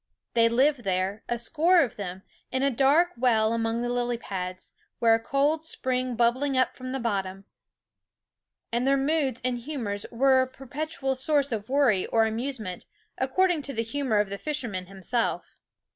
They lived there, a score of them, in a dark well among the lily pads, where a cold spring bub bled up from the bottom; and their moods and humors were a perpetual source of worry or amusement, according to the humor of the fisherman himself.